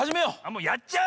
もうやっちゃう？